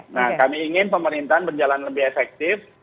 nah kami ingin pemerintahan berjalan lebih efektif